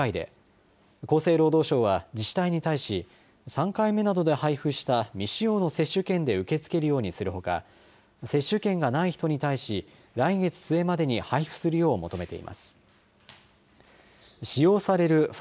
接種できるのは現時点では１人１回で厚生労働省は自治体に対し３回目などで配布した未使用の接種券で受け付けるようにするほか接種券がない人に対し来月末までに配布するよう求めています。